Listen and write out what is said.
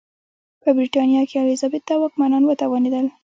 په برېټانیا کې الیزابت او واکمنان وتوانېدل.